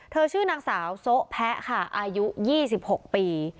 ชื่อนางสาวโซะแพะค่ะอายุ๒๖ปี